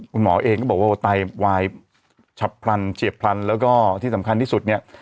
คุณหมอเองก็บอกว่าไตวายฉับพลันเฉียบพลันแล้วก็ที่สำคัญที่สุดเนี่ย